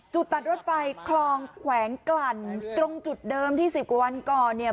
ตัดรถไฟคลองแขวงกลั่นตรงจุดเดิมที่สิบกว่าวันก่อนเนี่ย